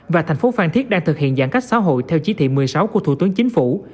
và thành phố phan thiết đang thực hiện giãn cách xã hội theo chỉ thị một mươi sáu của thủ tướng chính phủ